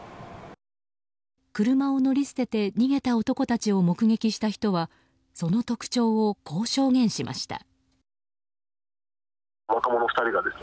車を乗り捨てて逃げた男たちを目撃した人はその特徴をこう証言しました。